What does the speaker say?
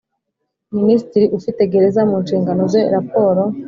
Minisitiri ufite Gereza mu nshingano ze raporo